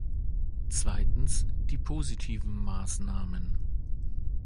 Zweitens, die positiven Maßnahmen.